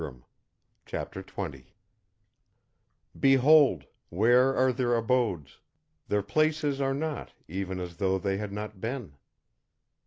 Look, look!" CHAPTER XX "Behold! Where are their abodes? Their places are not, even as though they had not been."